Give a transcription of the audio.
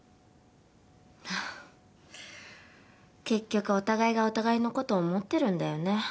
結局お互いがお互いのこと思ってるんだよね。